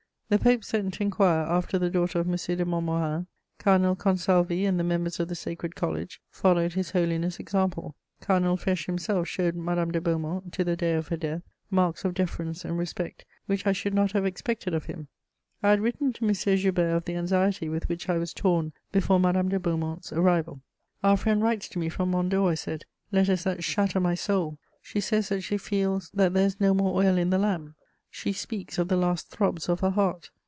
The Pope sent to inquire after the daughter of M. de Montmorin; Cardinal Consalvi and the members of the Sacred College followed His Holiness' example; Cardinal Fesch himself showed Madame de Beaumont, to the day of her death, marks of deference and respect which I should not have expected of him. I had written to M. Joubert of the anxiety with which I was torn before Madame de Beaumont's arrival: "Our friend writes to me from Mont Dore," I said, "letters that shatter my soul: she says that she feels 'that there is no more oil in the lamp;' she speaks of 'the last throbs of her heart.'